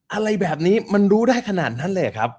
อะไรแบบนี้มันรู้ได้ขนาดนั้นเลยเหรอครับ